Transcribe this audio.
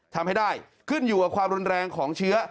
ทำให้ได้ขึ้นอยู่กับความรุนแรงของเชื้อ